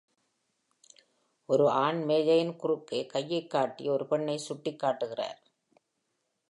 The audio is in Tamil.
ஒரு ஆண் மேஜையின் குறுக்கே கையைக் காட்டி ஒரு பெண்ணை சுட்டிக்காட்டுகிறார்